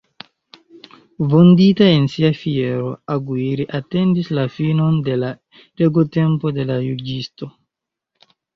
Vundita en sia fiero, Aguirre atendis la finon de la regotempo de la juĝisto.